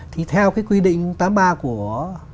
thì theo cái quy định tám mươi ba của